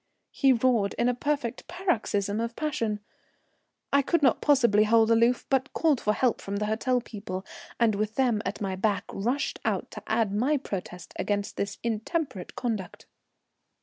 he roared in a perfect paroxysm of passion. I could not possibly hold aloof, but called for help from the hotel people, and, with them at my back, rushed out to add my protest against this intemperate conduct.